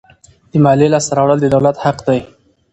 د مالیې لاسته راوړل د دولت حق دی.